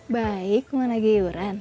baik mana giuran